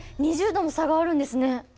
２０度も差があるんですね！？